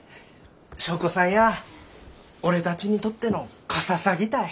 祥子さんや俺たちにとってのカササギたい。